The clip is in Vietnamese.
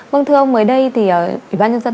vâng thưa ông mới đây thì ủy ban nhân dân